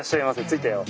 着いたよ。